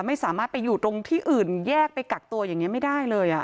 ไม่สามารถไปอยู่ตรงที่อื่นแยกไปกักตัวอย่างนี้ไม่ได้เลย